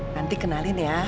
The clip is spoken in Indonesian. nanti kenalin ya